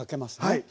はい。